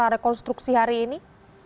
rekonstruksi hari ini